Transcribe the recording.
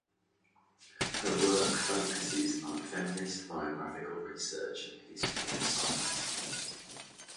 Her work focuses on feminist biographical research and history of science.